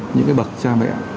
những cái bậc cha mẹ